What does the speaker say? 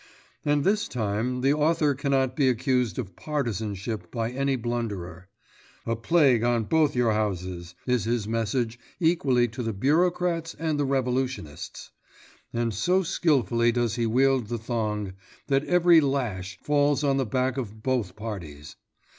And this time the author cannot be accused of partisanship by any blunderer. 'A plague o' both your houses,' is his message equally to the Bureaucrats and the Revolutionists. And so skilfully does he wield the thong, that every lash falls on the back of both parties.